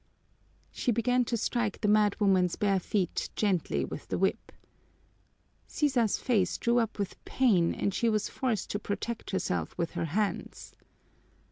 She began to strike the madwoman's bare feet gently with the whip. Sisa's face drew up with pain and she was forced to protect herself with her hands.